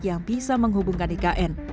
yang bisa menghubungkan ikn